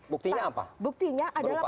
buktinya apa buktinya adalah